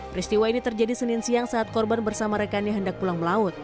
peristiwa ini terjadi senin siang saat korban bersama rekannya hendak pulang melaut